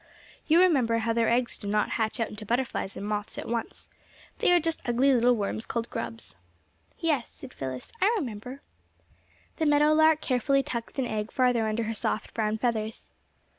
You remember how their eggs do not hatch out into butterflies and moths at once. They are just ugly little worms called grubs." "Yes," said Phyllis, "I remember." The meadow lark carefully tucked an egg farther under her soft brown feathers.